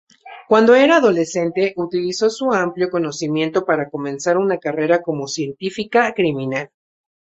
Cuando era adolescente, utilizó su amplio conocimiento para comenzar una carrera como científica criminal.